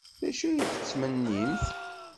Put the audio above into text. D acu ay tettmennimt?